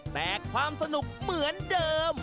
แต่ความสนุกเหมือนเดิม